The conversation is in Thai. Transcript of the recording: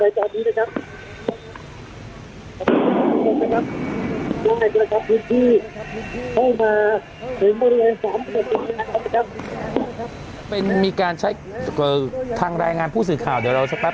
ครับเป็นมีการใช้เค้าทางรายงานผู้สื่อข่าวเดี๋ยวเราสักปั๊บ